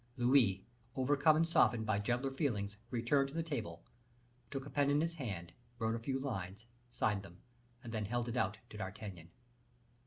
Louis, overcome and softened by gentler feelings, returned to the table, took a pen in his hand, wrote a few lines, signed them, and then held it out to D'Artagnan.